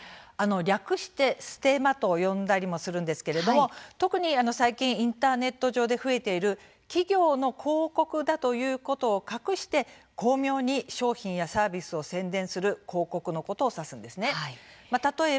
略してステマと呼んだりもするんですけれども、特に最近インターネット上で増えている企業の広告だということを隠して巧妙に商品やサービスを宣伝する広告のことを指すんです。